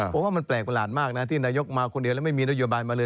ผมว่ามันแปลกประหลาดมากนะที่นายกมาคนเดียวแล้วไม่มีนโยบายมาเลย